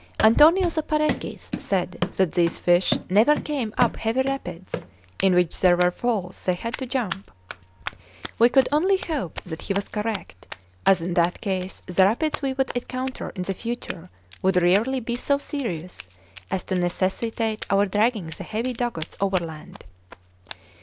Antonio the Parecis said that these fish never came up heavy rapids in which there were falls they had to jump. We could only hope that he was correct, as in that case the rapids we would encounter in the future would rarely be so serious as to necessitate our dragging the heavy dugouts overland.